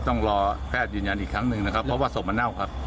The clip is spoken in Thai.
ต้องรอแพทย์ยืนยันอีกครั้งหนึ่งนะครับเพราะว่าศพมันเน่าครับ